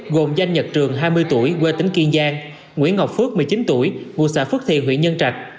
gồm danh nhật trường hai mươi tuổi quê tỉnh kiên giang nguyễn ngọc phước một mươi chín tuổi ngụ xã phước thiện huyện nhân trạch